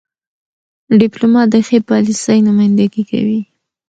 . ډيپلومات د ښې پالیسۍ نمایندګي کوي.